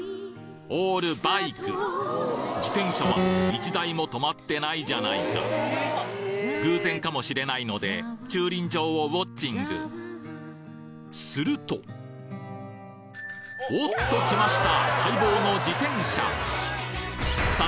オールバイク自転車は１台もとまってないじゃないか偶然かもしれないのでするとおっと来ました！